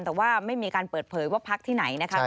แต่ว่าไม่มีการเปิดเผยว่าพักที่ไหนนะคะ